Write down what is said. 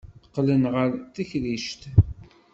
Qqlen ɣer tekrict.